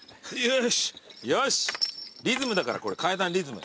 リズムだからこれ階段リズム。